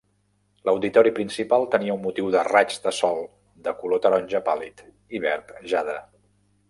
L'auditori principal tenia un motiu de raigs de sol de color taronja pàl·lid i verd jade.